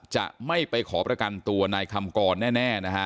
จะไม่ไปขอประกันตัวในคำกรแน่